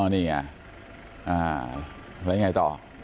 นี่ไงแล้วยังไงต่อ